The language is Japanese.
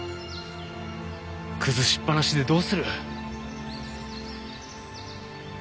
崩しっぱなしでどうする。